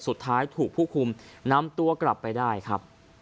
สุดท้ายถูกผู้คุมนำตัวกลับไปได้ครับ